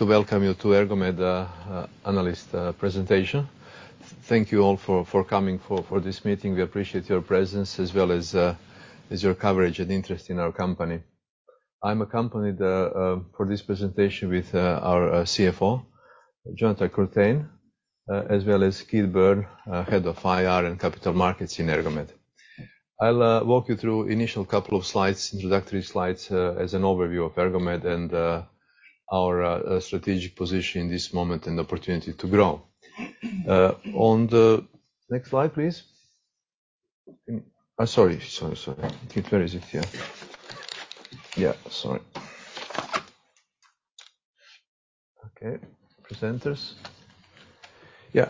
To welcome you to Ergomed analyst presentation. Thank Thank you all for coming for this meeting. We appreciate your presence, as well as your coverage and interest in our company. I'm accompanied for this presentation with our CFO, Jonathan Curtain, as well as Keith Byrne, Head of IR and Capital Markets in Ergomed. I'll walk you through initial couple of slides, introductory slides, as an overview of Ergomed and our strategic position in this moment and opportunity to grow. On the next slide, please. Sorry. Where is it? Here. Okay. Presenters.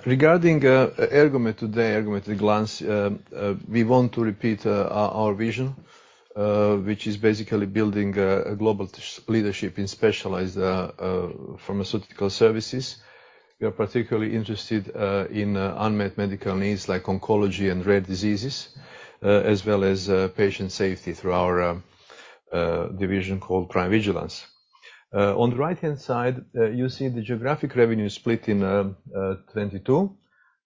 Regarding Ergomed today, Ergomed at a glance, we want to repeat our vision, which is basically building a global leadership in specialized pharmaceutical services. We are particularly interested in unmet medical needs like oncology and rare diseases, as well as patient safety through our division called PrimeVigilance. On the right-hand side, you see the geographic revenue split in 2022.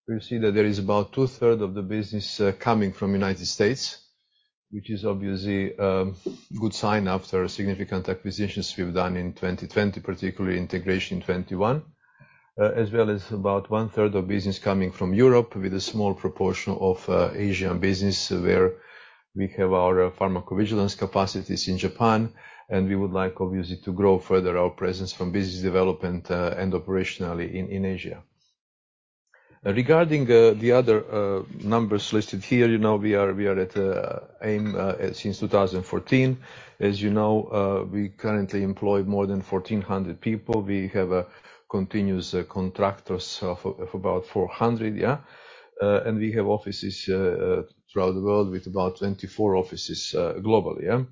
We see that there is about 2/3 of the business coming from United States, which is obviously good sign after significant acquisitions we've done in 2020, particularly integration in 2021. As well as about 1/3 of business coming from Europe with a small proportion of Asian business where we have our pharmacovigilance capacities in Japan, and we would like, obviously, to grow further our presence from business development and operationally in Asia. Regarding the other numbers listed here, you know, we are at AIM since 2014. As you know, we currently employ more than 1,400 people. We have a continuous contractors of about 400, yeah? We have offices throughout the world with about 24 offices globally, yeah?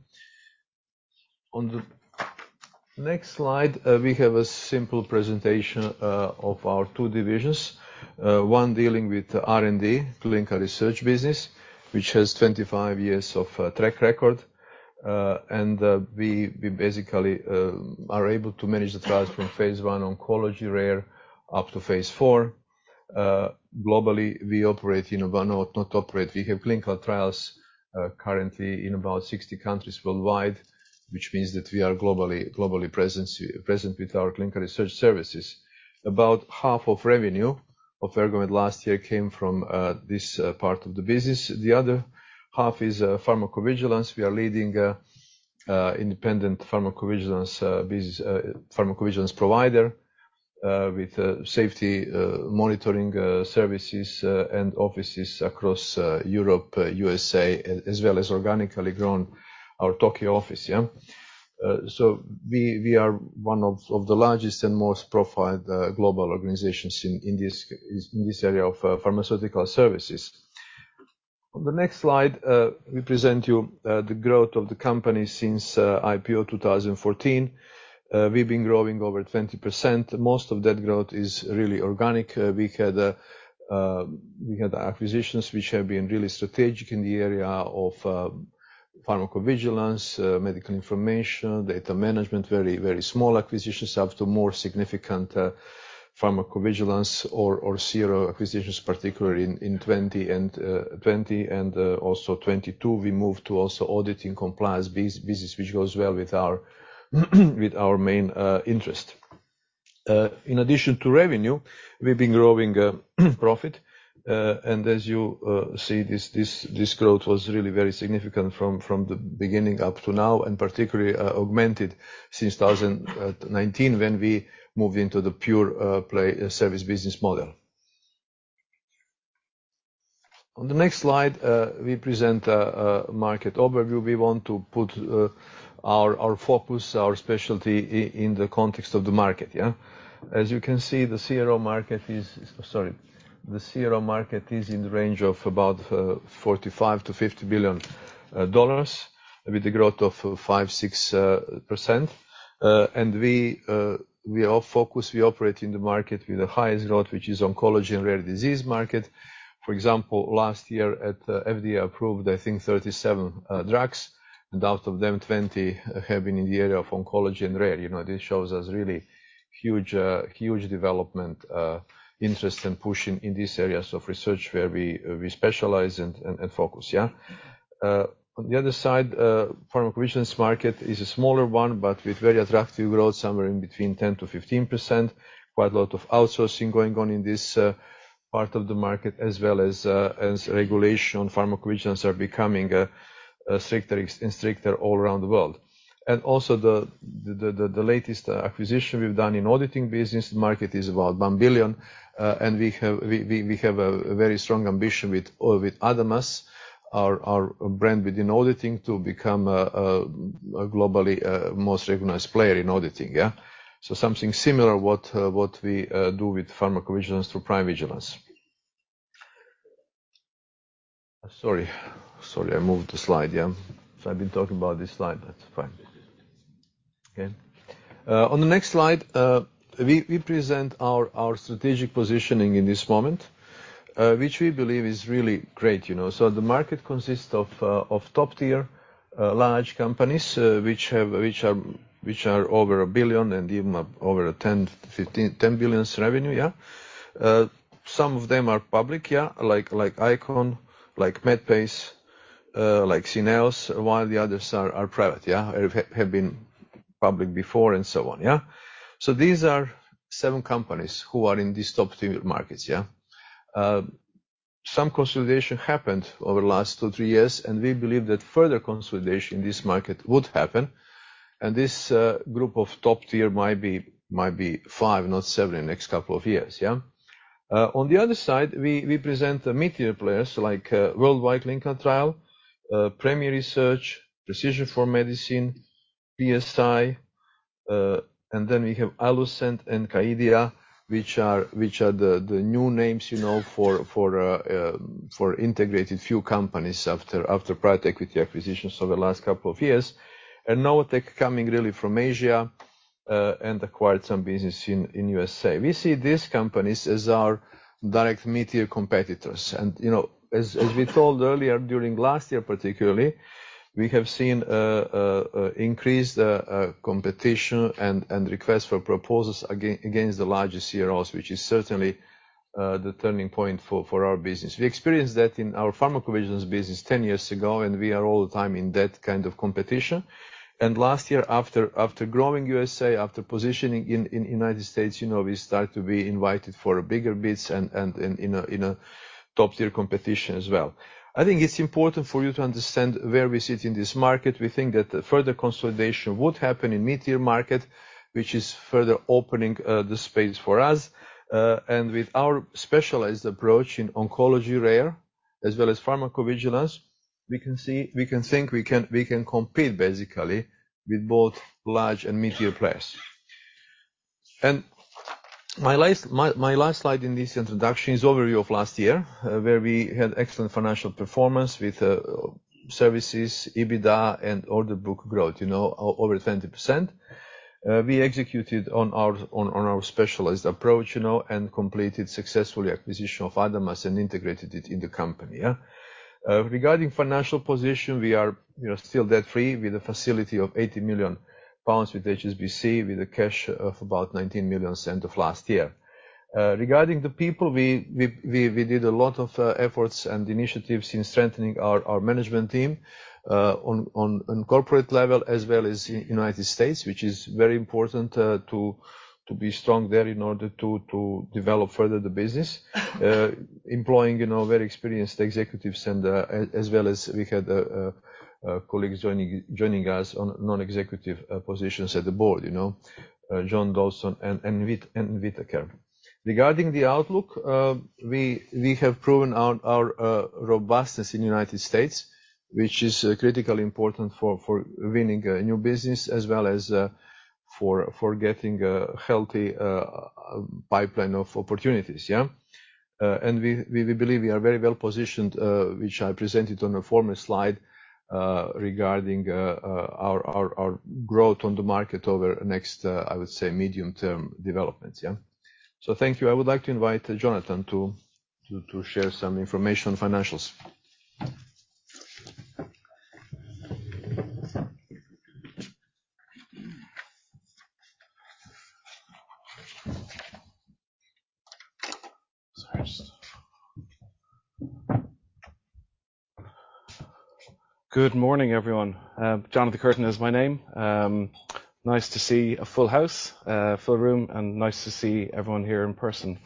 On the next slide, we have a simple presentation of our two divisions. One dealing with R&D, clinical research business, which has 25 years of track record. We basically are able to manage the trials from phase I oncology, rare, up to phase IV. Globally, we have clinical trials currently in about 60 countries worldwide, which means that we are globally present with our clinical research services. About half of revenue of Ergomed last year came from this part of the business. The other half is pharmacovigilance. We are leading an independent pharmacovigilance provider with safety monitoring services and offices across Europe, USA, as well as organically grown our Tokyo office, yeah. We are one of the largest and most profiled global organizations in this area of pharmaceutical services. On the next slide, we present you the growth of the company since IPO 2014. We've been growing over 20%. Most of that growth is really organic. We had acquisitions which have been really strategic in the area of pharmacovigilance, medical information, data management. Very small acquisitions up to more significant pharmacovigilance or CRO acquisitions, particularly in 20 and 20 and also 22. We moved to also auditing compliance business, which goes well with our main interest. In addition to revenue, we've been growing profit. As you see this growth was really very significant from the beginning up to now, and particularly augmented since 2019 when we moved into the pure play service business model. On the next slide, we present a market overview. We want to put our focus, our specialty in the context of the market, yeah? As you can see, the CRO market is. The CRO market is in the range of about $45 billion-$50 billion with a growth of 5%-6%. We are focused. We operate in the market with the highest growth, which is oncology and rare disease market. For example, last year at FDA approved, I think 37 drugs, and out of them, 20 have been in the area of oncology and rare. You know, this shows us really huge development interest in pushing in these areas of research where we specialize and focus, yeah? On the other side, pharmacovigilance market is a smaller one, but with very attractive growth, somewhere in between 10%-15%. Quite a lot of outsourcing going on in this part of the market as well as regulation. Pharmacovigilance are becoming stricter all around the world. Also the latest acquisition we've done in auditing business market is about 1 billion. Uh, and we have, we, we, we have a, a very strong ambition with, uh, with ADAMAS, our, our brand within auditing, to become a, a, a globally, uh, most recognized player in auditing, yeah? So something similar what, uh, what we, uh, do with pharmacovigilance through PrimeVigilance. Sorry. Sorry, I moved the slide, yeah. So I've been talking about this slide. That's fine. Okay. Uh, on the next slide, uh, we, we present our, our strategic positioning in this moment, uh, which we believe is really great, you know. So the market consists of, uh, of top tier. Uh, large companies, uh, which have, which are, which are over a billion and even over 10, 15, 10 billions revenue, yeah. Uh, some of them are public, yeah, like, like Icon, like Medpace, uh, like Syneos, while the others are, are private, yeah. Have been public before and so on, yeah. These are seven companies who are in these top-tier markets, yeah. Some consolidation happened over the last two, three years, and we believe that further consolidation in this market would happen. This group of top tier might be five, not seven in the next couple of years, yeah. On the other side, we present the mid-tier players like Worldwide Clinical Trials, Premier Research, Precision for Medicine, PSI. Then we have Allucent and Caidya, which are the new names, you know, for integrated few companies after private equity acquisitions over the last couple of years. Novotech coming really from Asia and acquired some business in USA. We see these companies as our direct mid-tier competitors. you know, as we told earlier during last year particularly, we have seen increased competition and requests for proposals against the largest CROs, which is certainly the turning point for our business. We experienced that in our pharmacovigilance business 10 years ago, and we are all the time in that kind of competition. Last year, after growing USA, after positioning in United States, you know, we start to be invited for bigger bids and in a top-tier competition as well. I think it's important for you to understand where we sit in this market. We think that further consolidation would happen in mid-tier market, which is further opening the space for us. With our specialized approach in oncology rare as well as pharmacovigilance, we can compete basically with both large and mid-tier players. My last slide in this introduction is overview of last year, where we had excellent financial performance with services, EBITDA and order book growth, you know, over 20%. We executed on our specialized approach, you know, and completed successfully acquisition of ADAMAS and integrated it in the company. Regarding financial position, we are, you know, still debt-free with a facility of 80 million pounds with HSBC, with a cash of about 19 million as end of last year. Regarding the people, we did a lot of efforts and initiatives in strengthening our management team on corporate level as well as in United States, which is very important to be strong there in order to develop further the business. Employing, you know, very experienced executives and as well as we had colleagues joining us on non-executive positions at the board. You know, John Dawson and Anne Whitaker. Regarding the outlook, we have proven our robustness in United States, which is critically important for winning new business as well as for getting a healthy pipeline of opportunities, yeah. We believe we are very well positioned, which I presented on a former slide, regarding our growth on the market over next, I would say medium term developments, yeah. Thank you. I would like to invite Jonathan to share some information on financials. Good morning, everyone. Jonathan Curtain is my name. Nice to see a full house, full room, and nice to see everyone here in person.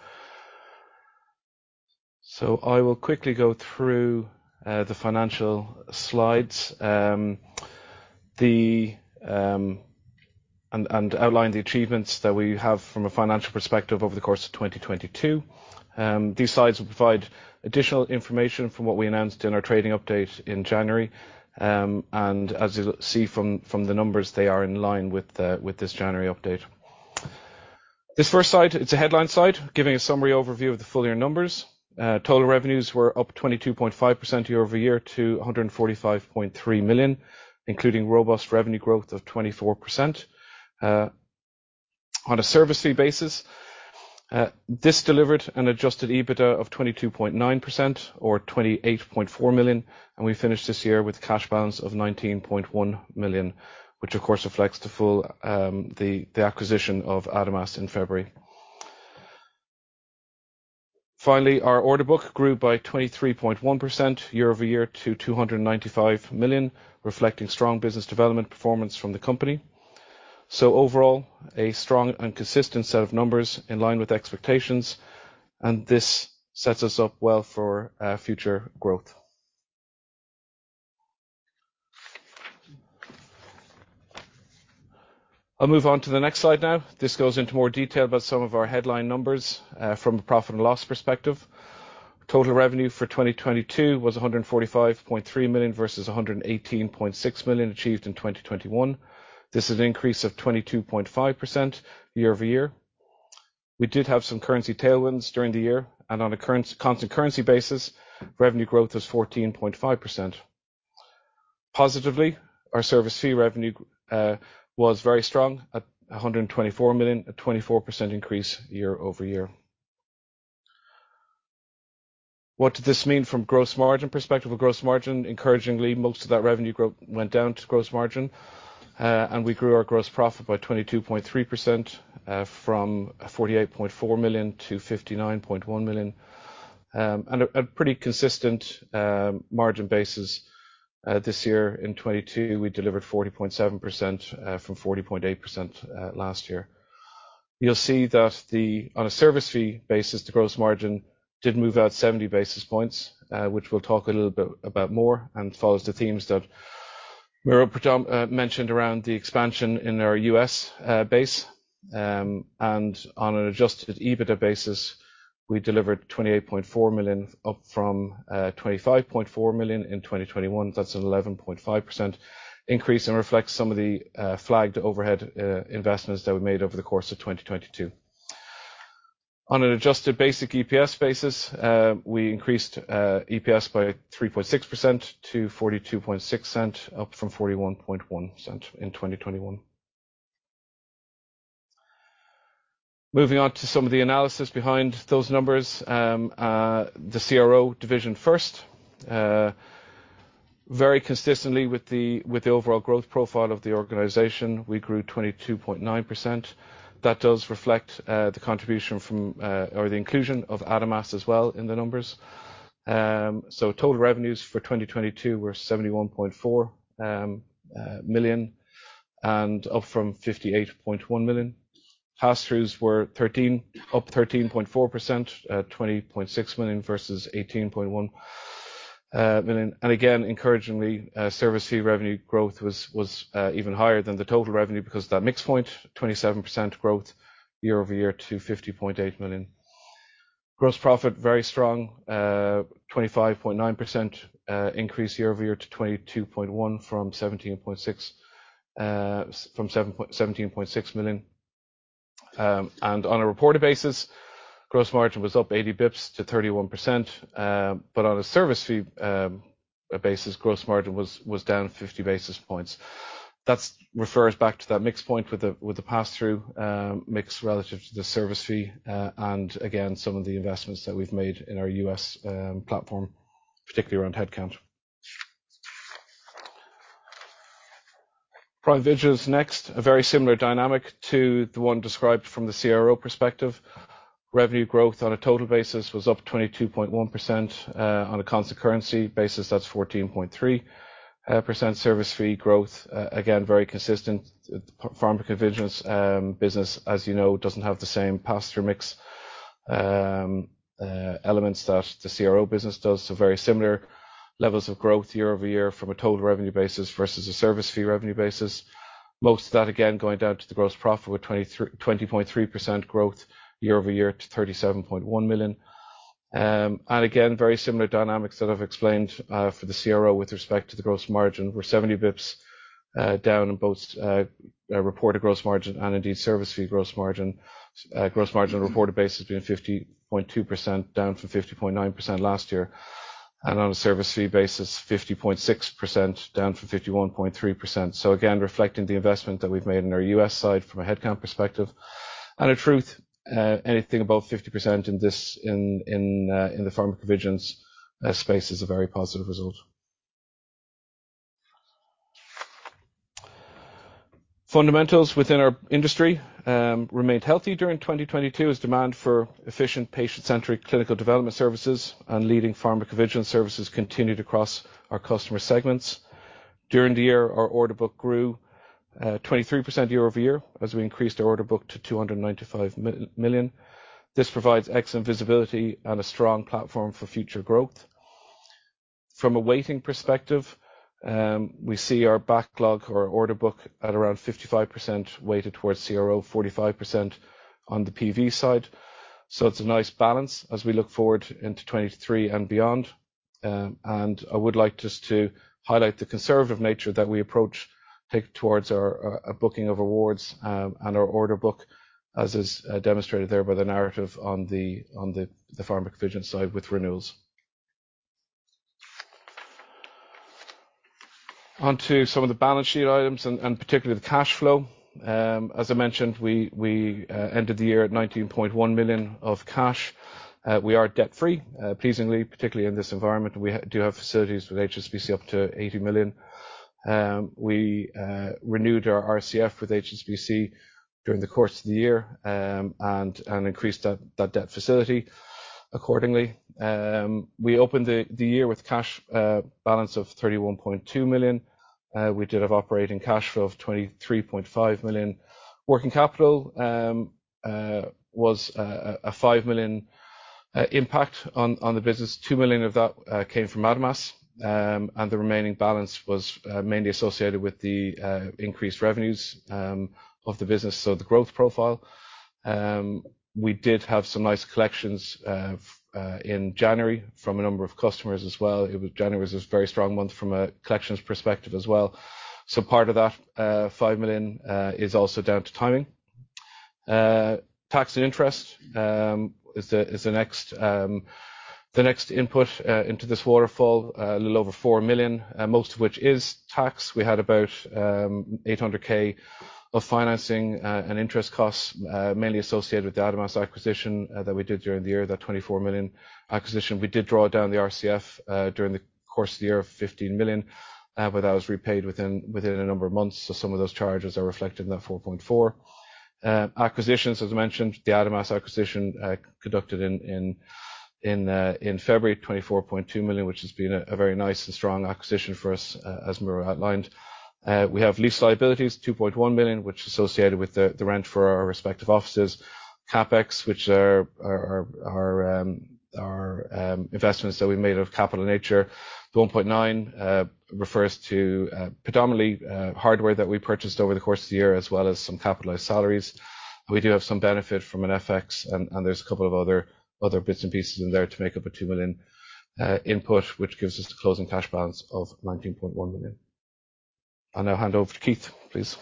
I will quickly go through the financial slides, the, and outline the achievements that we have from a financial perspective over the course of 2022. These slides will provide additional information from what we announced in our trading update in January. As you'll see from the numbers, they are in line with this January update. This first slide, it's a headline slide giving a summary overview of the full year numbers. Total revenues were up 22.5% year-over-year to 145.3 million, including robust revenue growth of 24%. On a service fee basis, this delivered an adjusted EBITDA of 22.9% or 28.4 million. We finished this year with cash balance of 19.1 million, which of course reflects the full acquisition of ADAMAS in February. Finally, our order book grew by 23.1% year-over-year to 295 million, reflecting strong business development performance from the company. Overall, a strong and consistent set of numbers in line with expectations, and this sets us up well for future growth. I'll move on to the next slide now. This goes into more detail about some of our headline numbers from a Profit and Loss perspective. Total revenue for 2022 was 145.3 million versus 118.6 million achieved in 2021. This is an increase of 22.5% year-over-year. We did have some currency tailwinds during the year and on a constant currency basis, revenue growth was 14.5%. Positively, our service fee revenue was very strong at 124 million, a 24% increase year-over-year. What does this mean from gross margin perspective? A gross margin encouragingly, most of that revenue went down to gross margin. We grew our gross profit by 22.3% from 48.4 million to 59.1 million. A pretty consistent margin basis, this year in 2022, we delivered 40.7% from 40.8% last year. You'll see that on a service fee basis, the gross margin did move out 70 basis points, which we'll talk a little bit about more and follows the themes that Miro mentioned around the expansion in our US base. On an adjusted EBITDA basis, we delivered 28.4 million up from 25.4 million in 2021. That's an 11.5% increase and reflects some of the flagged overhead investments that we made over the course of 2022. On an Adjusted basic EPS basis, we increased EPS by 3.6% to 0.426 up from 0.411 in 2021. Moving on to some of the analysis behind those numbers. The CRO division first. Very consistently with the overall growth profile of the organization, we grew 22.9%. That does reflect the contribution from or the inclusion of ADAMAS as well in the numbers. Total revenues for 2022 were 71.4 million and up from 58.1 million. Pass-throughs were up 13.4%, 20.6 million versus 18.1 million. Again, encouragingly, service fee revenue growth was even higher than the total revenue because of that mix point, 27% growth year-over-year to 50.8 million. Gross profit, very strong, 25.9% increase year-over-year to 22.1 million from 17.6 million. On a reported basis, gross margin was up 80 bps to 31%. On a service fee basis, gross margin was down 50 basis points. That's refers back to that mix point with the pass-through mix relative to the service fee, again, some of the investments that we've made in our U.S. platform, particularly around headcount. Pharmacovigilance next. A very similar dynamic to the one described from the CRO perspective. Revenue growth on a total basis was up 22.1%. On a constant currency basis, that's 14.3% service fee growth, again, very consistent. Pharmacovigilance business, as you know, doesn't have the same pass-through mix elements that the CRO business does. Very similar levels of growth year-over-year from a total revenue basis versus a service fee revenue basis. Most of that, again, going down to the gross profit with 20.3% growth year-over-year to 37.1 million. Again, very similar dynamics that I've explained for the CRO with respect to the gross margin. We're 70 bps down in both reported gross margin and indeed service fee gross margin. Gross margin reported basis being 50.2%, down from 50.9% last year. On a service fee basis, 50.6%, down from 51.3%. Again, reflecting the investment that we've made in our U.S. side from a headcount perspective. In truth, anything above 50% in the pharmacovigilance space is a very positive result. Fundamentals within our industry remained healthy during 2022 as demand for efficient patient-centric clinical development services and leading pharmacovigilance services continued across our customer segments. During the year, our order book grew 23% year-over-year as we increased our order book to 295 million. This provides excellent visibility and a strong platform for future growth. From a weighting perspective, we see our backlog or order book at around 55% weighted towards CRO, 45% on the PV side. It's a nice balance as we look forward into 2023 and beyond. I would like just to highlight the conservative nature that we take towards our booking of awards and our order book, as is demonstrated there by the narrative on the pharmacovigilance side with renewals. On to some of the balance sheet items and particularly the cash flow. As I mentioned, we ended the year at 19.1 million of cash. We are debt-free, pleasingly, particularly in this environment. We do have facilities with HSBC up to 80 million. We renewed our RCF with HSBC during the course of the year and increased that debt facility accordingly. We opened the year with cash balance of 31.2 million. We did have operating cash flow of 23.5 million. Working capital was a 5 million impact on the business. 2 million of that came from ADAMAS, and the remaining balance was mainly associated with the increased revenues of the business. The growth profile. We did have some nice collections in January from a number of customers as well. January was this very strong month from a collections perspective as well. Part of that 5 million is also down to timing. Tax and interest is the next input into this waterfall. A little over 4 million, most of which is tax. We had about 800K of financing and interest costs mainly associated with the ADAMAS acquisition that we did during the year. That 24 million acquisition. We did draw down the RCF during the course of the year, 15 million, but that was repaid within a number of months. Some of those charges are reflected in that 4.4. Acquisitions, as mentioned, the ADAMAS acquisition, conducted in February. 24.2 million, which has been a very nice and strong acquisition for us, as Miro outlined. We have lease liabilities, 2.1 million, which is associated with the rent for our respective offices. CapEx, which are investments that we made of capital nature. The 1.9 refers to predominantly hardware that we purchased over the course of the year, as well as some capitalized salaries. We do have some benefit from an FX, and there's a couple of other bits and pieces in there to make up a 2 million input, which gives us the closing cash balance of 19.1 million. I'll now hand over to Keith, please.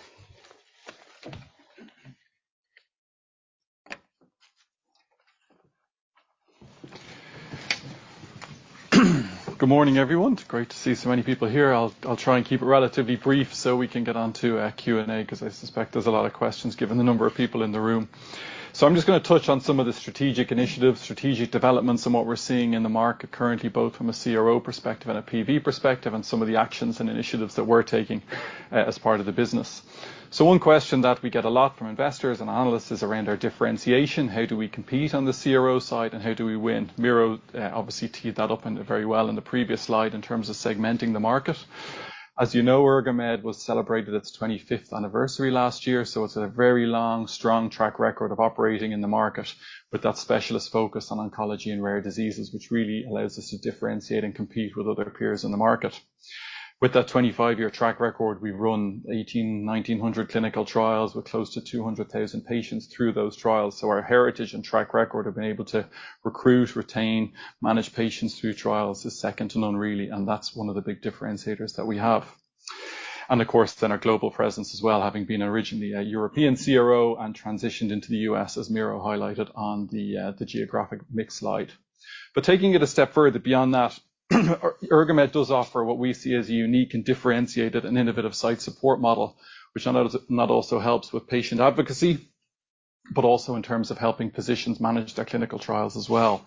Good morning, everyone. It's great to see so many people here. I'll try and keep it relatively brief so we can get on to Q&A, 'cause I suspect there's a lot of questions given the number of people in the room. I'm just gonna touch on some of the strategic initiatives, strategic developments, and what we're seeing in the market currently, both from a CRO perspective and a PV perspective, and some of the actions and initiatives that we're taking as part of the business. One question that we get a lot from investors and analysts is around our differentiation. How do we compete on the CRO side and how do we win? Miro obviously teed that up very well in the previous slide in terms of segmenting the market. As you know, Ergomed was celebrated its 25th anniversary last year, it's a very long, strong track record of operating in the market with that specialist focus on oncology and rare diseases, which really allows us to differentiate and compete with other peers in the market. With that 25 year track record, we've run 18, 1,900 clinical trials with close to 200,000 patients through those trials. Our heritage and track record of being able to recruit, retain, manage patients through trials is second to none, really, and that's one of the big differentiators that we have. Of course, then our global presence as well, having been originally a European CRO and transitioned into the U.S., as Miro highlighted on the geographic mix slide. Taking it a step further beyond that, Ergomed does offer what we see as a unique and differentiated and innovative site support model, which not only helps with patient advocacy, but also in terms of helping physicians manage their clinical trials as well.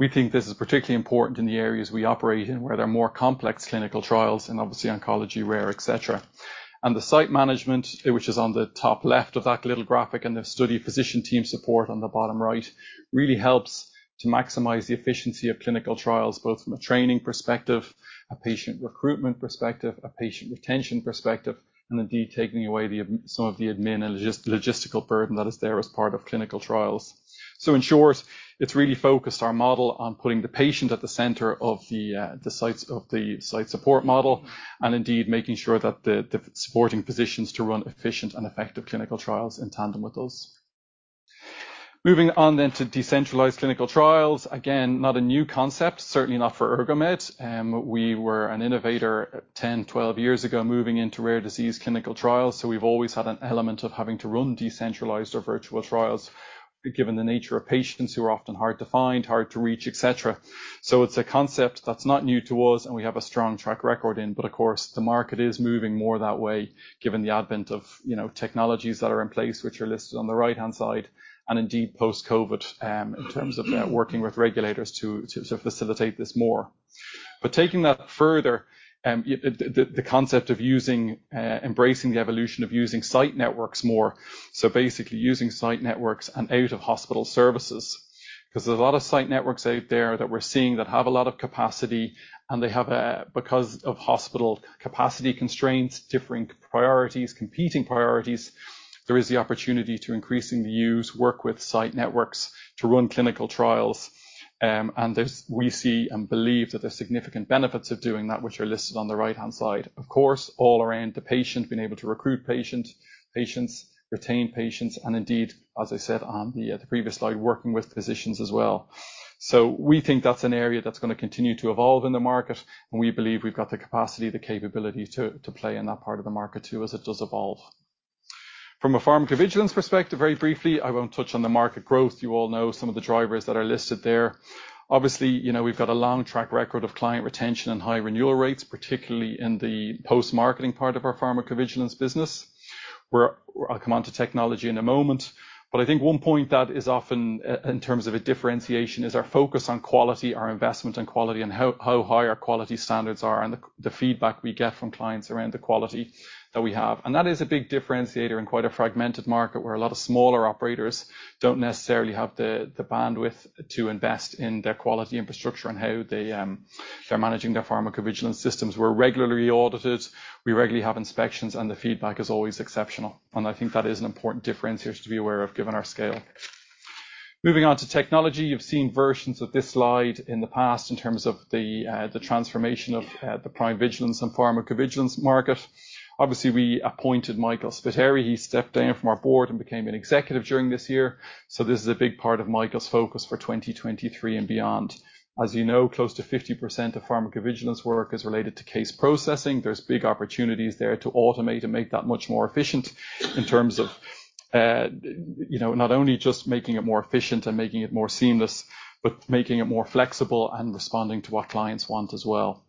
We think this is particularly important in the areas we operate in, where there are more complex clinical trials in obviously oncology, rare, etc. The site management, which is on the top left of that little graphic, and the study physician team support on the bottom right, really helps to maximize the efficiency of clinical trials, both from a training perspective, a patient recruitment perspective, a patient retention perspective, and indeed taking away some of the admin and logistical burden that is there as part of clinical trials. In short, it's really focused our model on putting the patient at the center of the sites, of the site support model and indeed making sure that the supporting physicians to run efficient and effective clinical trials in tandem with those. Moving on to decentralized clinical trials. Not a new concept, certainly not for Ergomed. We were an innovator 10, 12 years ago, moving into rare disease clinical trials. We've always had an element of having to run decentralized or virtual trials, given the nature of patients who are often hard to find, hard to reach, etc. It's a concept that's not new to us, and we have a strong track record in. Of course, the market is moving more that way given the advent of, you know, technologies that are in place, which are listed on the right-hand side, and indeed post-COVID, in terms of working with regulators to facilitate this more. Taking that further, the concept of using, embracing the evolution of using site networks more, so basically using site networks and out-of-hospital services. 'Cause there's a lot of site networks out there that we're seeing that have a lot of capacity, and they have because of hospital capacity constraints, differing priorities, competing priorities, there is the opportunity to increasingly use, work with site networks to run clinical trials. We see and believe that there's significant benefits of doing that, which are listed on the right-hand side. Of course, all around the patient, being able to recruit patient, patients, retain patients, and indeed, as I said on the previous slide, working with physicians as well. We think that's an area that's gonna continue to evolve in the market, and we believe we've got the capacity, the capability to play in that part of the market too, as it does evolve. From a pharmacovigilance perspective, very briefly, I won't touch on the market growth. You all know some of the drivers that are listed there. Obviously, you know, we've got a long track record of client retention and high renewal rates, particularly in the post-marketing part of our pharmacovigilance business. I'll come on to technology in a moment, but I think one point that is often in terms of a differentiation is our focus on quality, our investment in quality, and how high our quality standards are and the feedback we get from clients around the quality that we have. That is a big differentiator in quite a fragmented market where a lot of smaller operators don't necessarily have the bandwidth to invest in their quality infrastructure and how they're managing their pharmacovigilance systems. We're regularly audited, we regularly have inspections, and the feedback is always exceptional. I think that is an important differentiator to be aware of given our scale. Moving on to technology. You've seen versions of this slide in the past in terms of the transformation of the pharmacovigilance and pharmacovigilance market. Obviously, we appointed Michael Spiteri. He stepped down from our board and became an executive during this year. This is a big part of Michael's focus for 2023 and beyond. As you know, close to 50% of pharmacovigilance work is related to case processing. There's big opportunities there to automate and make that much more efficient in terms of, you know, not only just making it more efficient and making it more seamless, but making it more flexible and responding to what clients want as well.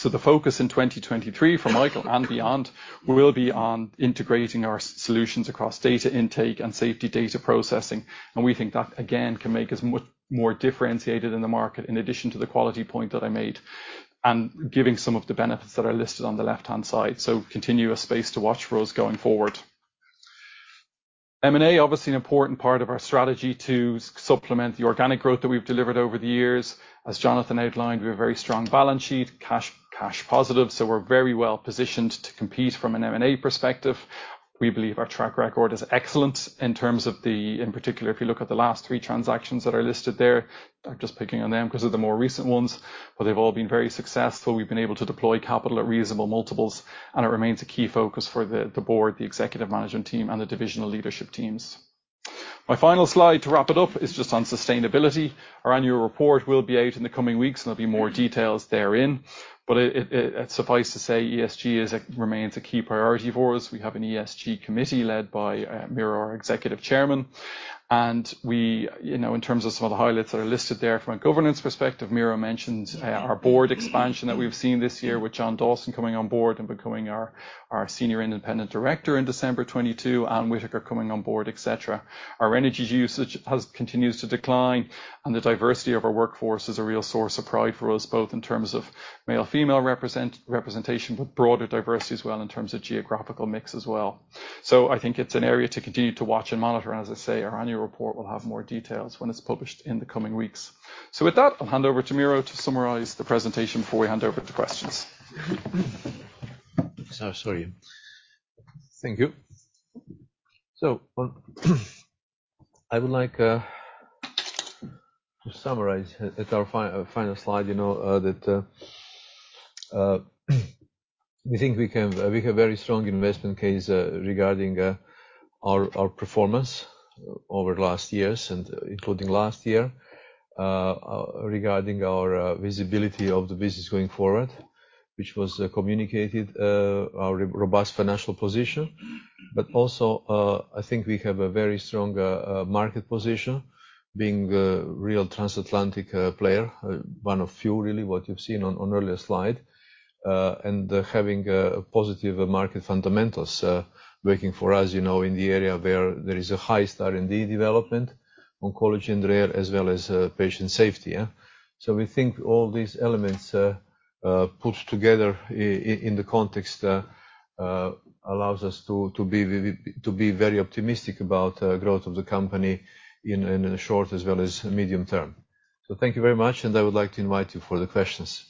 The focus in 2023 for Michael and beyond will be on integrating our solutions across data intake and safety data processing. We think that, again, can make us more differentiated in the market in addition to the quality point that I made, and giving some of the benefits that are listed on the left-hand side. Continuous space to watch for us going forward. M&A obviously an important part of our strategy to supplement the organic growth that we've delivered over the years. As Jonathan outlined, we have very strong balance sheet, cash positive, so we're very well-positioned to compete from an M&A perspective. We believe our track record is excellent in terms of in particular, if you look at the last three transactions that are listed there. I'm just picking on them 'cause they're the more recent ones, but they've all been very successful. We've been able to deploy capital at reasonable multiples, and it remains a key focus for the board, the executive management team, and the divisional leadership teams. My final slide to wrap it up is just on sustainability. Our annual report will be out in the coming weeks, and there'll be more details therein. Suffice to say, ESG remains a key priority for us. We have an ESG committee led by Miro, our Executive Chairman. We, you know, in terms of some of the highlights that are listed there from a governance perspective, Miro mentioned our board expansion that we've seen this year with John Dawson coming on board and becoming our Senior Independent Director in December 2022. Anne Whitaker coming on board, et cetera. Our energy usage continues to decline, and the diversity of our workforce is a real source of pride for us, both in terms of male-female representation, but broader diversity as well in terms of geographical mix as well. I think it's an area to continue to watch and monitor, and as I say, our annual report will have more details when it's published in the coming weeks. With that, I'll hand over to Miro to summarize the presentation before we hand over to questions. Sorry. Thank you. I would like to summarize at our final slide, you know, that we think we have very strong investment case regarding our performance over the last years and including last year. Regarding our visibility of the business going forward, which was communicated, our robust financial position. Also, I think we have a very strong market position, being the real transatlantic player. One of few really, what you've seen on earlier slide. Having a positive market fundamentals working for us, you know, in the area where there is a high R&D development, oncology and rare, as well as patient safety. We think all these elements put together in the context allows us to be very optimistic about growth of the company in the short as well as medium term. Thank you very much, and I would like to invite you for the questions.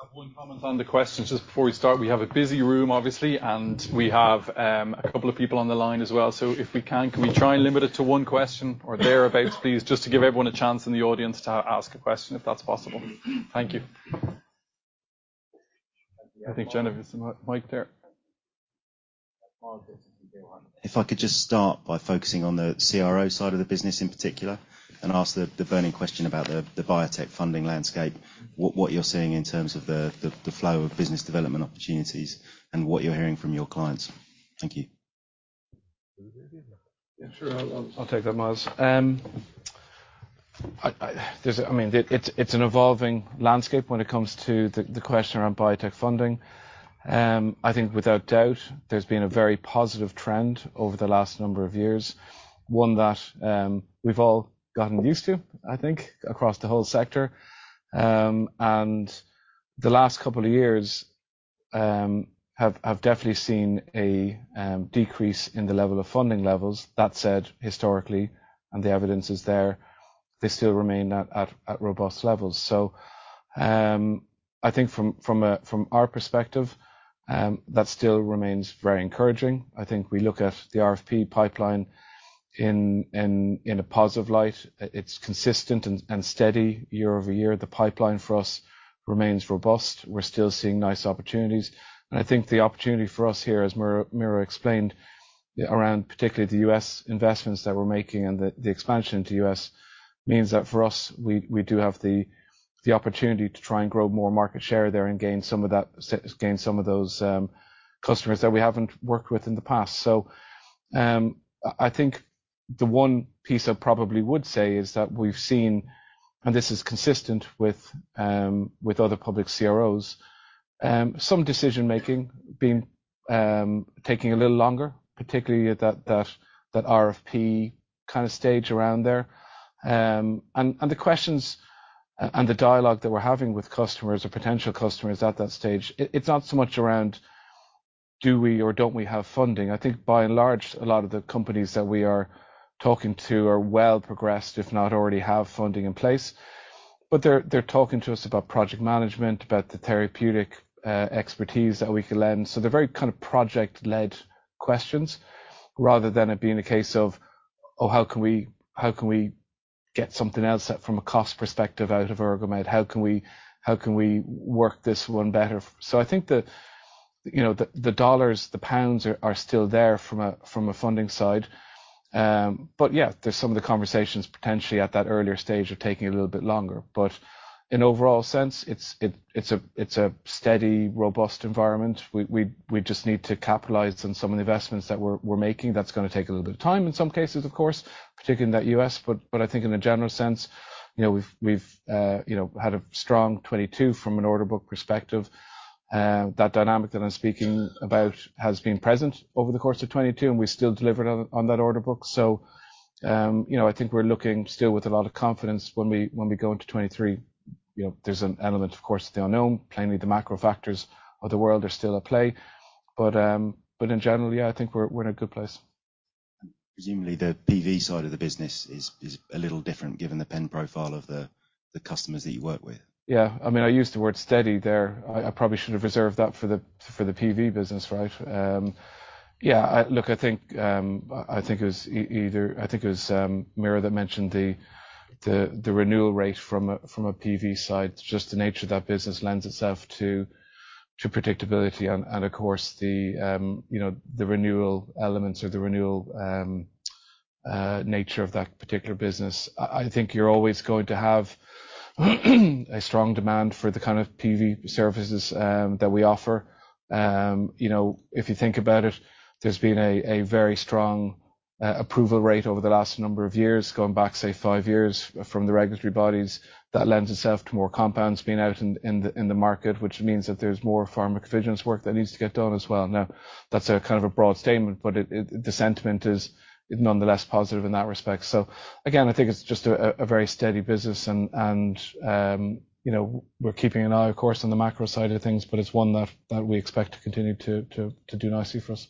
Just have one comment on the questions just before we start. We have a busy room, obviously, and we have a couple of people on the line as well. If we can, we try and limit it to one question or thereabout, please? Just to give everyone a chance in the audience to ask a question, if that's possible. Thank you. I think Jennifer has a mic there. If I could just start by focusing on the CRO side of the business in particular, and ask the burning question about the biotech funding landscape, what you're seeing in terms of the flow of business development opportunities and what you're hearing from your clients. Thank you. Yeah, sure. I'll take that, Miles. I mean, it's an evolving landscape when it comes to the question around biotech funding. I think without doubt, there's been a very positive trend over the last number of years, one that we've all gotten used to, I think, across the whole sector. The last couple of years have definitely seen a decrease in the level of funding levels. That said, historically, and the evidence is there, they still remain at robust levels. I think from our perspective, that still remains very encouraging. I think we look at the RFP pipeline in a positive light. It's consistent and steady year-over-year. The pipeline for us remains robust. We're still seeing nice opportunities. I think the opportunity for us here, as Miro explained around particularly the U.S. investments that we're making and the expansion to U.S., means that for us, we do have the opportunity to try and grow more market share there and gain some of those customers that we haven't worked with in the past. I think the one piece I probably would say is that we've seen, and this is consistent with other public CROs, some decision-making being taking a little longer, particularly at that RFP kind of stage around there. The questions and the dialogue that we're having with customers or potential customers at that stage, it's not so much around do we or don't we have funding. I think by and large, a lot of the companies that we are talking to are well progressed, if not already have funding in place. They're talking to us about project management, about the therapeutic expertise that we can lend. They're very kind of project-led questions rather than it being a case of, oh, how can we get something else from a cost perspective out of Ergomed? How can we work this one better? I think the, you know, the dollars, the pounds are still there from a funding side. Yeah, there's some of the conversations potentially at that earlier stage are taking a little bit longer. In overall sense, it's a steady, robust environment. We just need to capitalize on some of the investments that we're making. That's gonna take a little bit of time in some cases, of course, particularly in the U.S. I think in a general sense, you know, we've, you know, had a strong 2022 from an order book perspective. That dynamic that I'm speaking about has been present over the course of 2022, and we still delivered on that order book. You know, I think we're looking still with a lot of confidence when we go into 2023. You know, there's an element, of course, the unknown. Plainly, the macro factors of the world are still at play. In general, yeah, I think we're in a good place. Presumably the PV side of the business is a little different given the pen profile of the customers that you work with. Yeah. I mean, I used the word steady there. I probably should have reserved that for the PV business, right. Yeah. Look, I think it was Miro that mentioned the renewal rate from a PV side. Just the nature of that business lends itself to predictability and of course, you know, the renewal elements or the renewal nature of that particular business. I think you're always going to have a strong demand for the kind of PV services that we offer. You know, if you think about it, there's been a very strong approval rate over the last number of years, going back, say, five years from the regulatory bodies. That lends itself to more compounds being out in the market, which means that there's more pharmacovigilance work that needs to get done as well. That's a kind of a broad statement, but the sentiment is nonetheless positive in that respect. Again, I think it's just a very steady business and, you know, we're keeping an eye of course on the macro side of things, but it's one that we expect to continue to do nicely for us.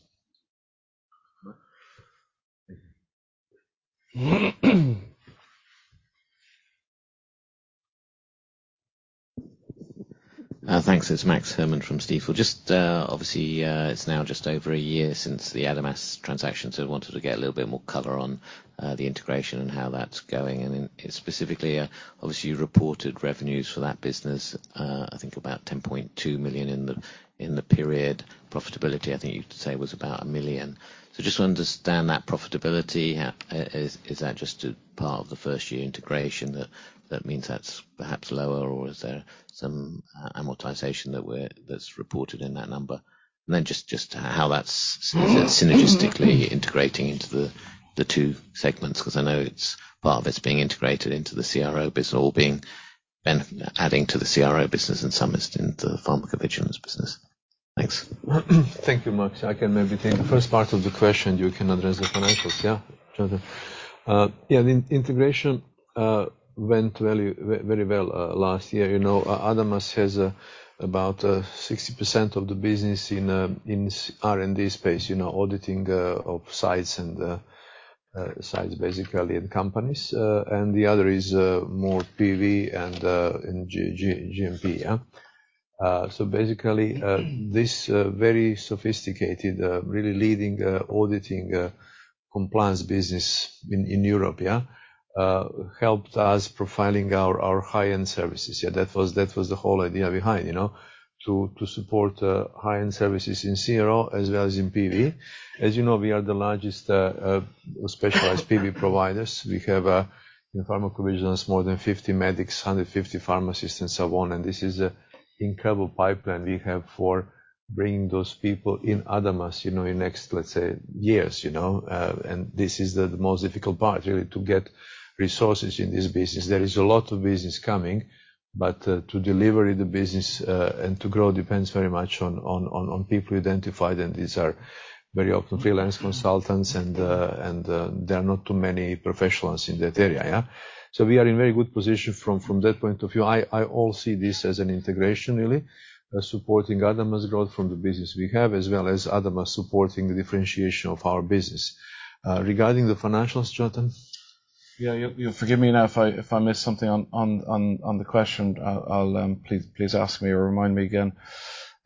Thanks. It's Max Herrmann from Stifel. Just, obviously, it's now just over a year since the ADAMAS transaction, wanted to get a little bit more color on the integration and how that's going. Specifically, obviously you reported revenues for that business, I think about 10.2 million in the period. Profitability, I think you'd say was about 1 million. Just to understand that profitability, is that just a part of the first year integration that means that's perhaps lower, or is there some amortization that's reported in that number? Just how that's synergistically integrating into the two segments, because I know it's part of it's being integrated into the CRO business or adding to the CRO business and some is in the pharmacovigilance business. Thanks. Thank you, Max. I can maybe take the first part of the question. You can address the financials. Yeah. The integration went very well last year. You know, ADAMAS has about 60% of the business in R&D space. You know, auditing of sites and sites basically, and companies. The other is more PV and GMP. Basically, this very sophisticated, really leading auditing compliance business in Europe helped us profiling our high-end services. Yeah. That was the whole idea behind, you know. To support high-end services in CRO as well as in PV. As you know, we are the largest specialized PV providers. We have in pharmacovigilance more than 50 medics, 150 pharmacists and so on. This is a incredible pipeline we have for bringing those people in ADAMAS, you know, in next, let's say, years, you know. This is the most difficult part really to get resources in this business. There is a lot of business coming, but to deliver the business and to grow depends very much on people identified. These are very often freelance consultants and there are not too many professionals in that area, yeah. We are in very good position from that point of view. I all see this as an integration really, supporting ADAMAS growth from the business we have, as well as ADAMAS supporting the differentiation of our business. Regarding the financials, Jonathan. Yeah. You'll forgive me now if I missed something on the question. I'll please ask me or remind me again.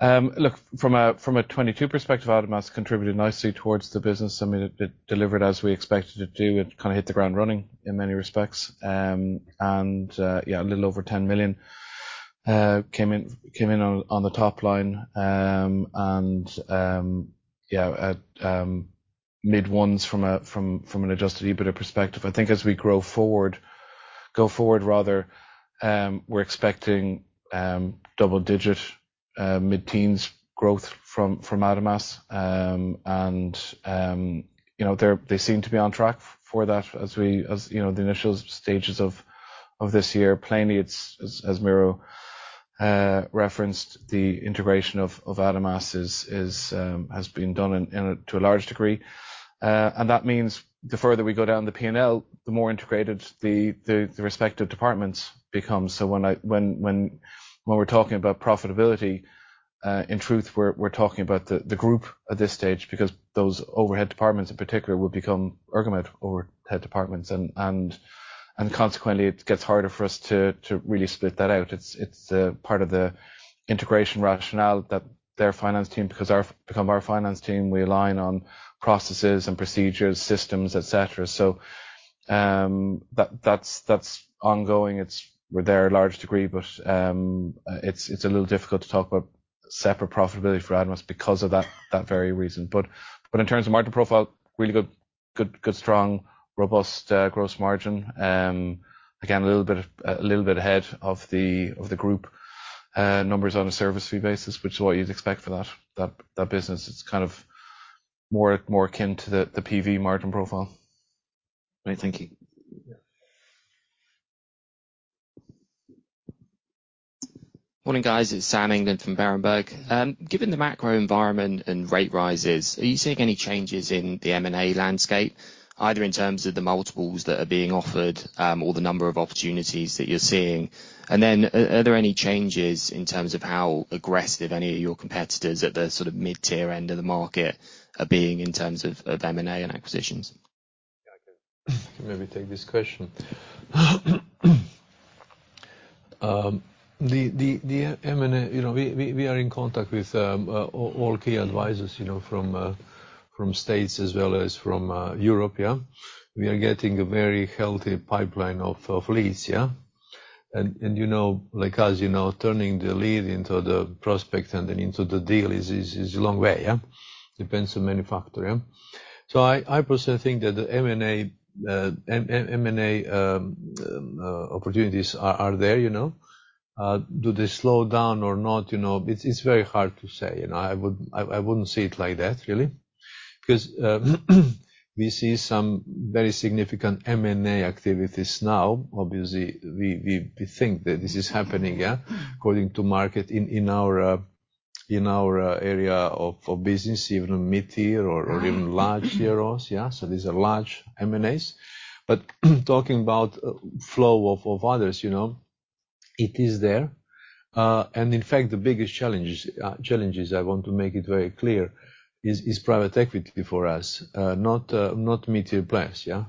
Look, from a 2022 perspective, ADAMAS contributed nicely towards the business. I mean, it delivered as we expected it to. It kinda hit the ground running in many respects. Yeah, a little over 10 million came in on the top line. Yeah, at mid ones from an adjusted EBITDA perspective. I think as we go forward rather, we're expecting double-digit mid-teens growth from ADAMAS. You know, they seem to be on track for that as you know, the initial stages of this year. Plainly it's as Miro referenced the integration of Adamas has been done to a large degree. That means the further we go down the P&L, the more integrated the respective departments become. When we're talking about profitability, in truth, we're talking about the group at this stage because those overhead departments in particular will become Ergomed overhead departments and consequently it gets harder for us to really split that out. It's part of the integration rationale that their finance team becomes our finance team. We align on processes and procedures, systems, et cetera. That's ongoing. We're there a large degree. It's a little difficult to talk about separate profitability for ATMOS because of that very reason. In terms of margin profile, really good strong, robust gross margin. Again, a little bit ahead of the group numbers on a service fee basis, which is what you'd expect for that business. It's kind of more akin to the PV margin profile. Great. Thank you. Yeah. Morning, guys. It's Sam England from Berenberg. Given the macro environment and rate rises, are you seeing any changes in the M&A landscape, either in terms of the multiples that are being offered, or the number of opportunities that you're seeing? Are there any changes in terms of how aggressive any of your competitors at the sort of mid-tier end of the market are being in terms of M&A and acquisitions? I can maybe take this question. The M&A, you know, we are in contact with all key advisors, you know, from the U.S. as well as from Europe. We are getting a very healthy pipeline of leads. You know, like us, you know, turning the lead into the prospect and then into the deal is a long way. Depends on manufacturer. I personally think that the M&A opportunities are there, you know. Do they slow down or not? You know, it's very hard to say. You know, I wouldn't see it like that really 'cause we see some very significant M&A activities now. Obviously, we think that this is happening, yeah, according to market in our in our area of business even on mid-tier or even large CROs. Yeah. These are large M&As. Talking about flow of others, you know, it is there. In fact the biggest challenges I want to make it very clear is private equity for us not not mid-tier players. Yeah.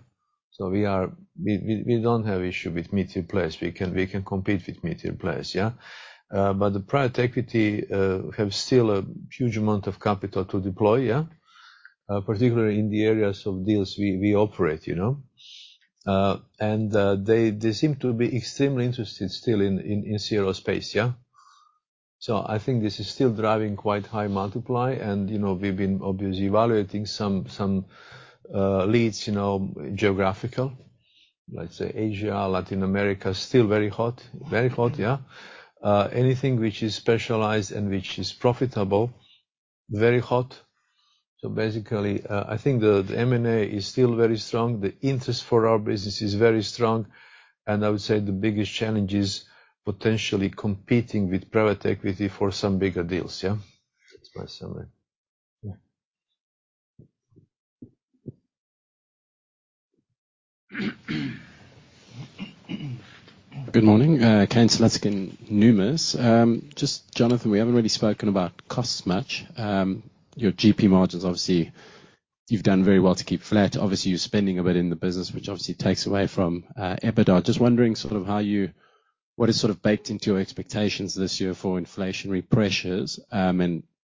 We don't have issue with mid-tier players. We can compete with mid-tier players. Yeah. The private equity have still a huge amount of capital to deploy. Yeah. Particularly in the areas of deals we operate, you know. They seem to be extremely interested still in CRO space. Yeah. I think this is still driving quite high multiply and, you know, we've been obviously evaluating some leads, you know, geographical, let's say Asia, Latin America, still very hot. Very hot. Yeah. Anything which is specialized and which is profitable, very hot. Basically, I think the M&A is still very strong. The interest for our business is very strong, and I would say the biggest challenge is potentially competing with private equity for some bigger deals. Yeah. That's my summary. Yeah. Good morning, Kane Slutzkin, Numis. Just Jonathan, we haven't really spoken about cost much. Your GP margins, obviously, you've done very well to keep flat. Obviously, you're spending a bit in the business, which obviously takes away from EBITDA. Just wondering sort of what is sort of baked into your expectations this year for inflationary pressures.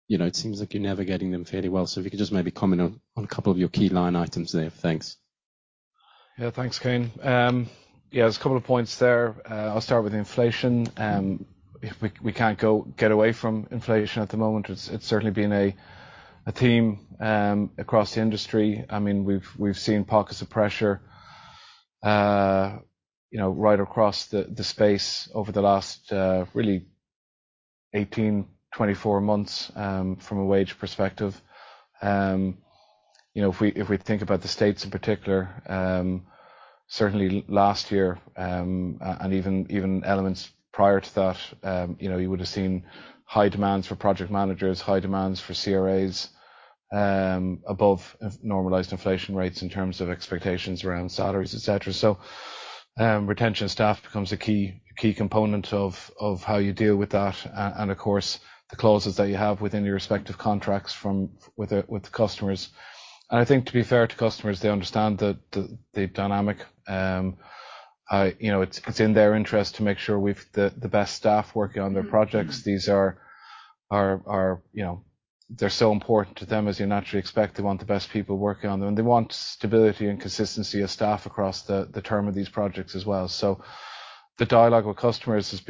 You know, it seems like you're navigating them fairly well. If you could just maybe comment on a couple of your key line items there. Thanks. Yeah. Thanks, Kane. Yeah, there's a couple of points there. I'll start with inflation. If we can't get away from inflation at the moment. It's certainly been a theme across the industry. I mean, we've seen pockets of pressure, you know, right across the space over the last really 18-24 months, from a wage perspective. You know, if we think about the States in particular, certainly last year, and even elements prior to that, you know, you would've seen high demands for project managers, high demands for CRAs, above normalized inflation rates in terms of expectations around salaries, et cetera. Retention of staff becomes a key component of how you deal with that and of course, the clauses that you have within your respective contracts with the customers. I think to be fair to customers, they understand the dynamic. You know, it's in their interest to make sure we've the best staff working on their projects. These are. You know, they're so important to them as you naturally expect. They want the best people working on them, and they want stability and consistency of staff across the term of these projects as well. The dialogue with customers has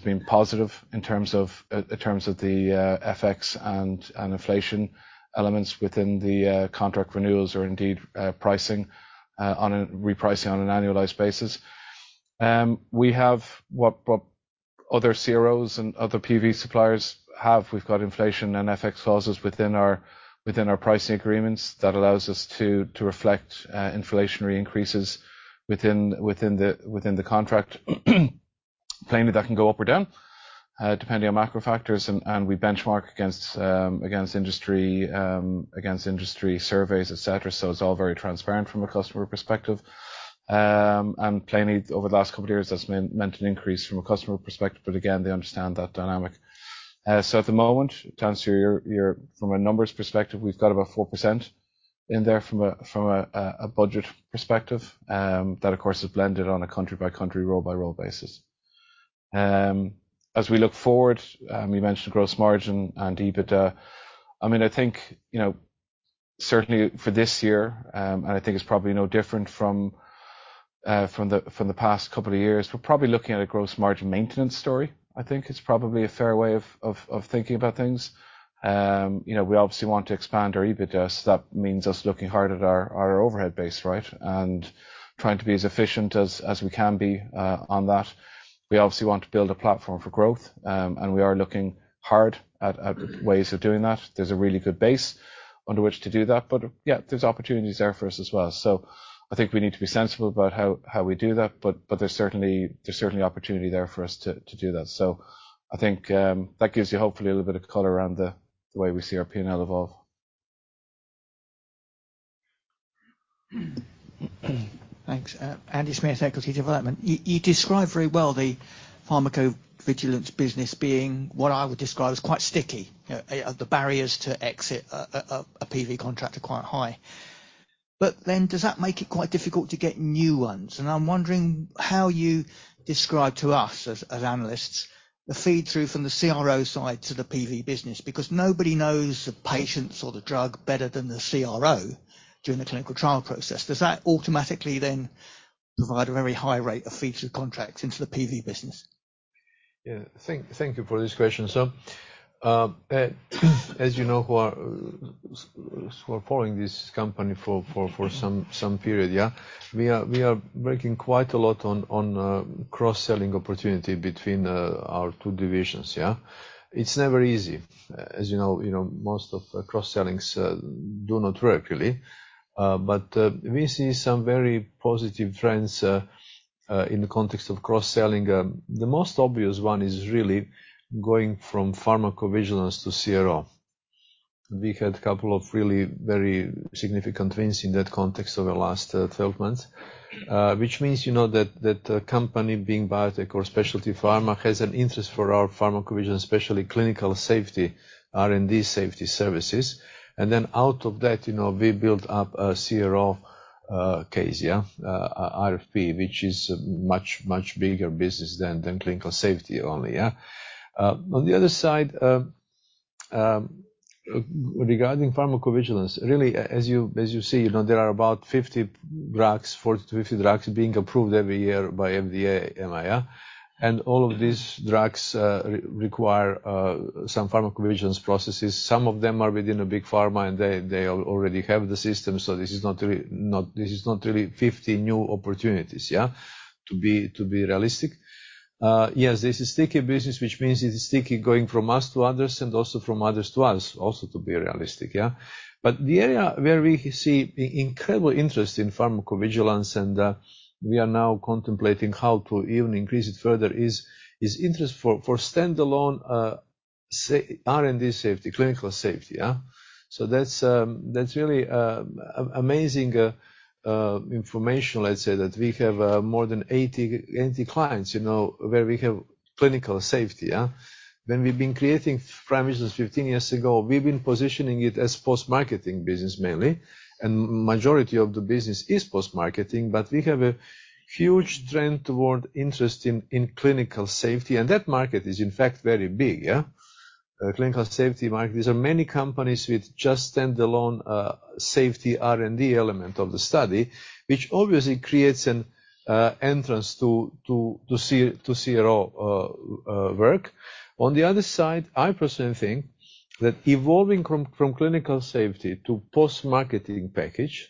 been positive in terms of in terms of the FX and inflation elements within the contract renewals or indeed pricing repricing on an annualized basis. We have what other CROs and other PV suppliers have. We've got inflation and FX clauses within our pricing agreements that allows us to reflect inflationary increases within the contract. Plainly that can go up or down depending on macro factors and we benchmark against industry surveys, et cetera. It's all very transparent from a customer perspective. And plainly over the last couple of years, that's meant an increase from a customer perspective, but again, they understand that dynamic. At the moment, to answer your From a numbers perspective, we've got about 4% in there from a budget perspective, that of course is blended on a country-by-country, role-by-role basis. As we look forward, you mentioned gross margin and EBITDA. I mean, I think, you know, certainly for this year, I think it's probably no different from the past couple of years. We're probably looking at a gross margin maintenance story. I think it's probably a fair way of thinking about things. You know, we obviously want to expand our EBITDA, so that means us looking hard at our overhead base, right? Trying to be as efficient as we can be on that. We obviously want to build a platform for growth. We are looking hard at ways of doing that. There's a really good base under which to do that. Yeah, there's opportunities there for us as well. I think we need to be sensible about how we do that. There's certainly opportunity there for us to do that. I think that gives you hopefully a little bit of color around the way we see our P&L evolve. Thanks. Andy Smith, Equity Development. You described very well the pharmacovigilance business being what I would describe as quite sticky. The barriers to exit a PV contract are quite high. Does that make it quite difficult to get new ones? I'm wondering how you describe to us as analysts, the feed through from the CRO side to the PV business. Nobody knows the patients or the drug better than the CRO during the clinical trial process. Does that automatically then provide a very high rate of featured contracts into the PV business? Thank you for this question, sir. As you know, who are so following this company for some period. We are working quite a lot on cross-selling opportunity between our two divisions. It's never easy. As you know, you know, most of cross-sellings do not work really. We see some very positive trends in the context of cross-selling. The most obvious one is really going from pharmacovigilance to CRO. We had a couple of really very significant wins in that context over the last 12 months. Which means, you know, that company being biotech or specialty pharma has an interest for our pharmacovigilance, especially clinical safety, R&D safety services. Out of that, you know, we built up a CRO case, yeah, RFP, which is much bigger business than clinical safety only, yeah. On the other side, regarding pharmacovigilance, really, as you see, you know, there are about 50 drugs, 40-50 drugs being approved every year by FDA and EMA. All of these drugs require some pharmacovigilance processes. Some of them are within a big pharma, and they already have the system, so this is not really 50 new opportunities, yeah, to be realistic. Yes, this is sticky business, which means it is sticky going from us to others and also from others to us also to be realistic, yeah. The area where we see incredible interest in pharmacovigilance, and we are now contemplating how to even increase it further is interest for standalone R&D safety, clinical safety, yeah. That's really amazing information, let's say that we have more than 80 clients, you know, where we have clinical safety, yeah. When we've been creating PrimeVigilance business 15 years ago, we've been positioning it as post-marketing business mainly. Majority of the business is post-marketing, but we have a huge trend toward interest in clinical safety, and that market is in fact very big, yeah. Clinical safety market, these are many companies with just standalone safety R&D element of the study, which obviously creates an entrance to CRO work. On the other side, I personally think that evolving from clinical safety to post-marketing package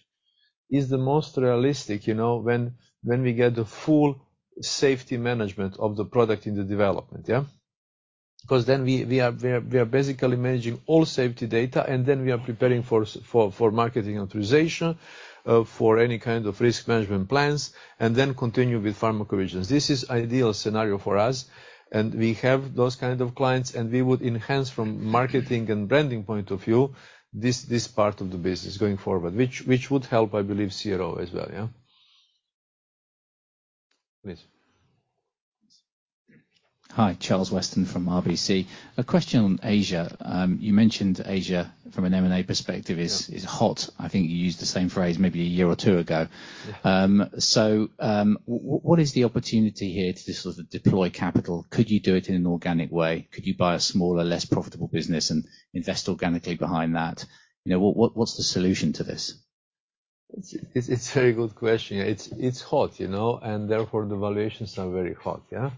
is the most realistic, you know, when we get the full safety management of the product into development, yeah. Because then we are basically managing all safety data, and then we are preparing for marketing authorization, for any kind of risk management plans, and then continue with pharmacovigilance. This is ideal scenario for us, and we have those kind of clients, and we would enhance from marketing and branding point of view, this part of the business going forward, which would help, I believe, CRO as well, yeah. Please. Hi. Charles Weston from RBC. A question on Asia. You mentioned Asia from an M&A perspective. Yeah. is hot. I think you used the same phrase maybe a year or two ago. Yeah. What is the opportunity here to sort of deploy capital? Could you do it in an organic way? Could you buy a smaller, less profitable business and invest organically behind that? You know, what's the solution to this? It's very good question. It's hot, you know, and therefore the valuations are very hot, yeah.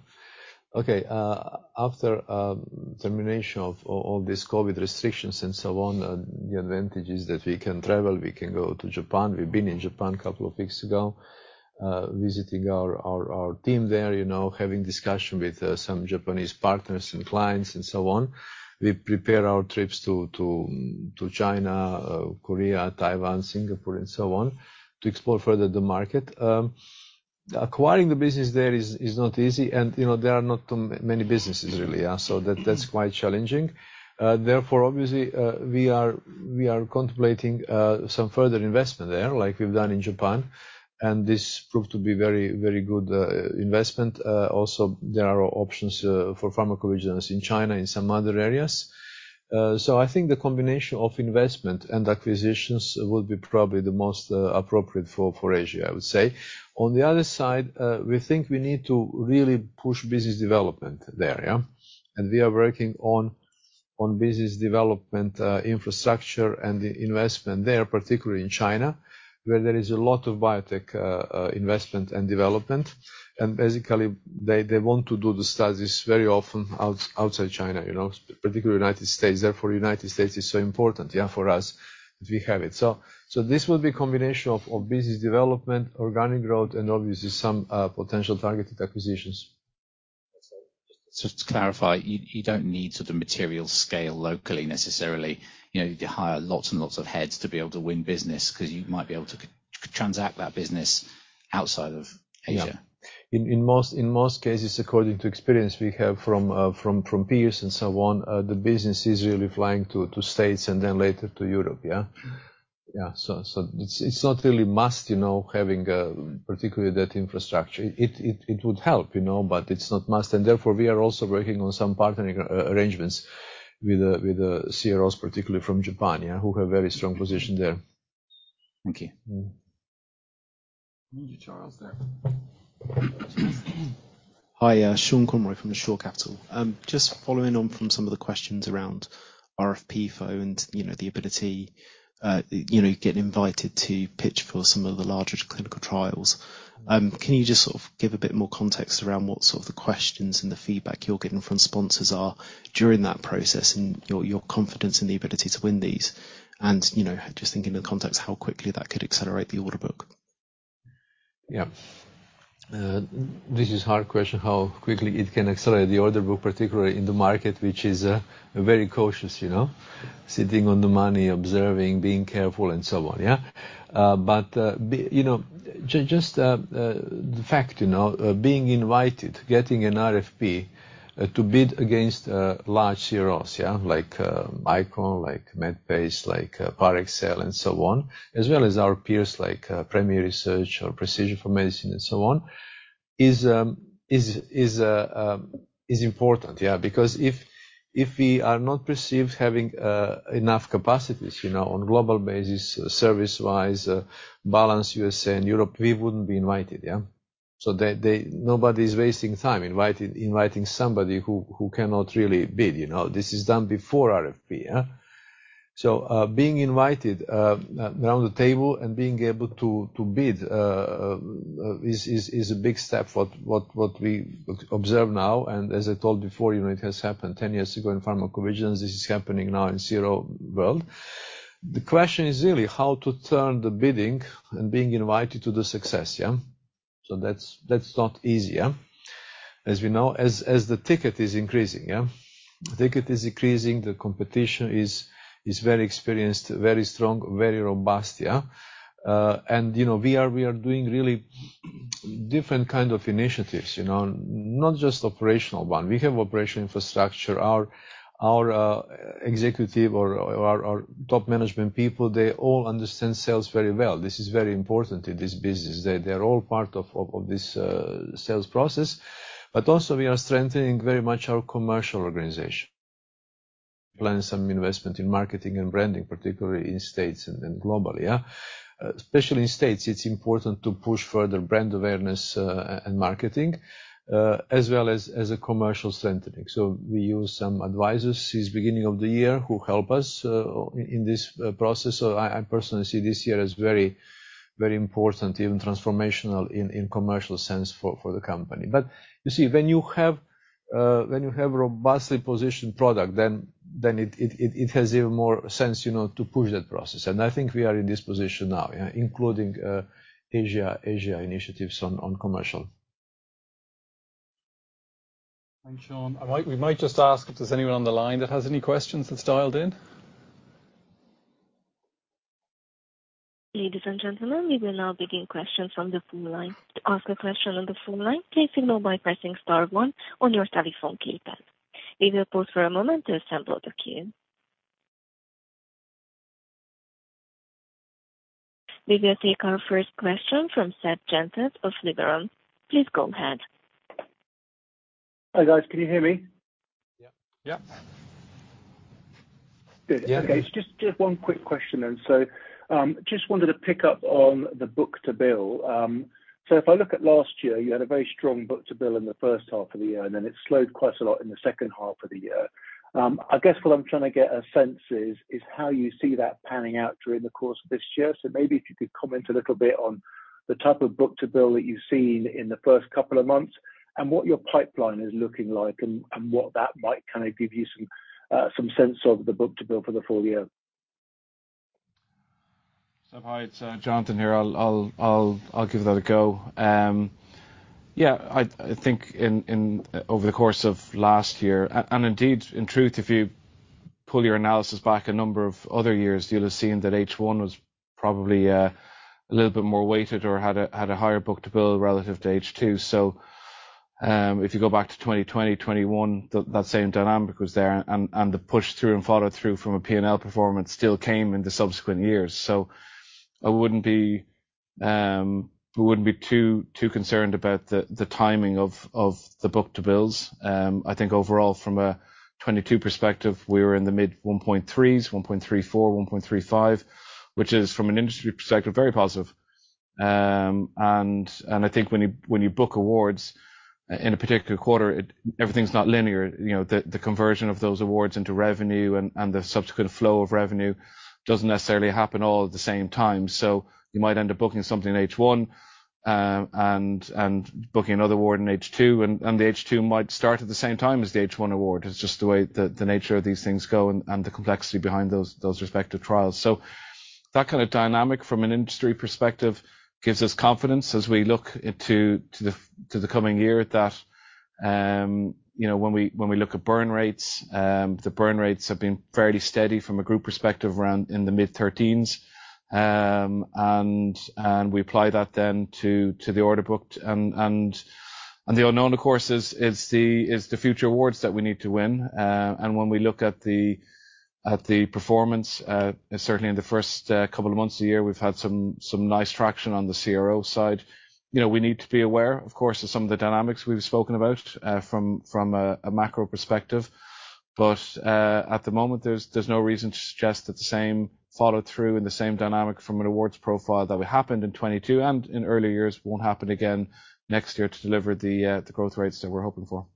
Okay. After termination of this COVID restrictions and so on, the advantage is that we can travel, we can go to Japan. We've been in Japan a couple of weeks ago, visiting our team there, you know, having discussion with some Japanese partners and clients and so on. We prepare our trips to China, Korea, Taiwan, Singapore, and so on, to explore further the market. Acquiring the business there is not easy. You know, there are not many businesses really, yeah. That's quite challenging. Therefore, obviously, we are contemplating some further investment there like we've done in Japan, and this proved to be very, very good investment. Also, there are options for pharmacovigilance in China in some other areas. I think the combination of investment and acquisitions will be probably the most appropriate for Asia, I would say. On the other side, we think we need to really push business development there, yeah. We are working on business development infrastructure and the investment there, particularly in China, where there is a lot of biotech investment and development. Basically they want to do the studies very often outside China, you know, particularly United States. Therefore, United States is so important, yeah, for us. We have it. This will be a combination of business development, organic growth, and obviously some potential targeted acquisitions. Just to clarify, you don't need sort of material scale locally necessarily, you know, you hire lots and lots of heads to be able to win business 'cause you might be able to transact that business outside of Asia. Yeah. In most cases, according to experience we have from peers and so on, the business is really flying to States and then later to Europe. Yeah? Yeah. It's not really must, you know, having particularly that infrastructure. It would help, you know, but it's not must. Therefore, we are also working on some partnering arrangements with CROs, particularly from Japan, yeah, who have very strong position there. Thank you. Mm-hmm. Charles there. Hi, Sean Conroy from the Shore Capital. Just following on from some of the questions around RFP and, you know, the ability, you know, getting invited to pitch for some of the larger clinical trials, can you just sort of give a bit more context around what sort of the questions and the feedback you're getting from sponsors are during that process and your confidence in the ability to win these? You know, just thinking of the context, how quickly that could accelerate the order book? This is hard question, how quickly it can accelerate the order book, particularly in the market, which is very cautious, you know. Sitting on the money, observing, being careful, and so on. You know, just the fact, you know, being invited, getting an RFP to bid against large CROs, like Icon, like Medpace, like Parexel, and so on, as well as our peers like Premier Research or Precision for Medicine and so on, is important. Because if we are not perceived having enough capacities, you know, on global basis, service-wise, balance USA and Europe, we wouldn't be invited. Nobody's wasting time inviting somebody who cannot really bid, you know. This is done before RFP. Being invited around the table and being able to bid is a big step. What we observe now, as I told before, you know, it has happened 10 years ago in pharmacovigilance. This is happening now in CRO world. The question is really how to turn the bidding and being invited to the success, yeah? That's not easy, yeah, as we know. As the ticket is increasing, yeah. The ticket is increasing. The competition is very experienced, very strong, very robust. Yeah? You know, we are doing really different kind of initiatives, you know, not just operational one. We have operational infrastructure. Our executive or our top management people, they all understand sales very well. This is very important in this business. They're all part of this sales process. Also we are strengthening very much our commercial organization. Plan some investment in marketing and branding, particularly in States and globally. Yeah. Especially in States, it's important to push further brand awareness, and marketing, as well as a commercial centering. We use some advisors since beginning of the year who help us in this process. I personally see this year as very, very important, even transformational in commercial sense for the company. You see, when you have robustly positioned product, then it has even more sense, you know, to push that process. I think we are in this position now, including Asia initiatives on commercial. Thanks, Sean. We might just ask if there's anyone on the line that has any questions that's dialed in. Ladies and gentlemen, we will now begin questions from the phone line. To ask a question on the phone line, please signal by pressing star one on your telephone keypad. We will pause for a moment to assemble the queue. We will take our first question from Seth Jensen of Liberum. Please go ahead. Hi guys, can you hear me? Yeah. Yeah. Good. Yeah. Okay. Just one quick question then. Just wanted to pick up on the book-to-bill. If I look at last year, you had a very strong book-to-bill in the first half of the year, and then it slowed quite a lot in the second half of the year. I guess what I'm trying to get a sense is how you see that panning out during the course of this year. Maybe if you could comment a little bit on the type of book-to-bill that you've seen in the first couple of months and what your pipeline is looking like and what that might kinda give you some sense of the book-to-bill for the full year. Hi, it's Jonathan here. I'll give that a go. Yeah, I think in over the course of last year, and indeed, in truth, if you pull your analysis back a number of other years, you'll have seen that H1 was probably a little bit more weighted or had a higher book-to-bill relative to H2. If you go back to 2020, 2021, that same dynamic was there and the push through and follow through from a P&L performance still came in the subsequent years. I wouldn't be. We wouldn't be too concerned about the timing of the book-to-bills. I think overall from a 2022 perspective, we were in the mid-1.3s, 1.34, 1.35, which is from an industry perspective, very positive. I think when you, when you book awards in a particular quarter, everything's not linear. You know, the conversion of those awards into revenue and the subsequent flow of revenue doesn't necessarily happen all at the same time. You might end up booking something in H1, and booking another award in H2, and the H2 might start at the same time as the H1 award. It's just the way the nature of these things go and the complexity behind those respective trials. That kind of dynamic from an industry perspective gives us confidence as we look into the coming year that, you know, when we, when we look at burn rates, the burn rates have been fairly steady from a group perspective around in the mid-13s. We apply that then to the order booked and the unknown, of course, is the future awards that we need to win. When we look at the performance, certainly in the first couple of months of the year, we've had some nice traction on the CRO side. You know, we need to be aware, of course, of some of the dynamics we've spoken about from a macro perspective. At the moment, there's no reason to suggest that the same follow through and the same dynamic from an awards profile that happened in 2022 and in earlier years won't happen again next year to deliver the growth rates that we're hoping for.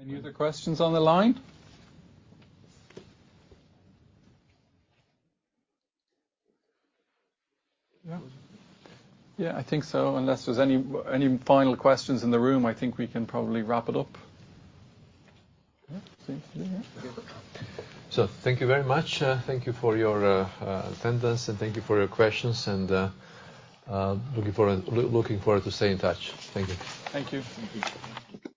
Any other questions on the line? No. Yeah, I think so. Unless there's any final questions in the room, I think we can probably wrap it up. Yeah. Seems to be it. Thank you very much. Thank you for your attendance, and thank you for your questions, and looking forward to stay in touch. Thank you. Thank you. Thank you.